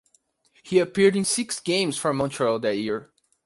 He appeared in six games for Montreal that year.